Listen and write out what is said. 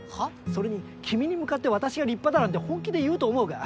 それに君に向かって私が立派だなんて本気で言うと思うか。